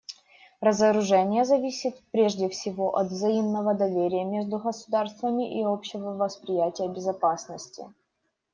Разоружение зависит прежде всего от взаимного доверия между государствами и общего восприятия безопасности.